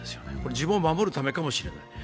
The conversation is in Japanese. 自分を守るためかもしれない。